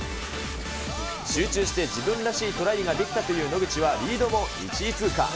集中して自分らしいトライができたという野口はリードも１位通過。